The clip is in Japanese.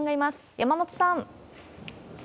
山本さん。